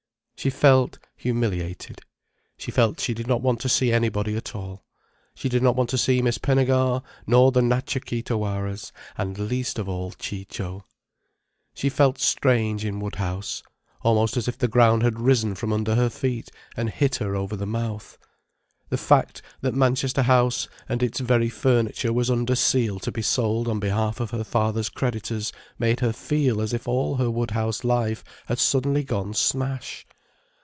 She felt humiliated. She felt she did not want to see anybody at all. She did not want to see Miss Pinnegar, nor the Natcha Kee Tawaras: and least of all, Ciccio. She felt strange in Woodhouse, almost as if the ground had risen from under her feet and hit her over the mouth. The fact that Manchester House and its very furniture was under seal to be sold on behalf of her father's creditors made her feel as if all her Woodhouse life had suddenly gone smash.